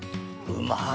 うまい。